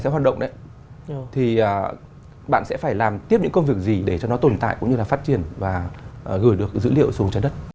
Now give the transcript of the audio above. sẽ hoạt động đấy thì bạn sẽ phải làm tiếp những công việc gì để cho nó tồn tại cũng như là phát triển và gửi được dữ liệu xuống trái đất